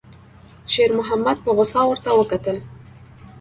شېرمحمد په غوسه ورته وکتل.